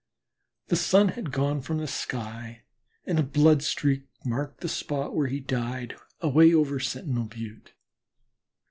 The sun had gone from the sky, and a blood streak marked the spot where he died, away over Sentinel Butte.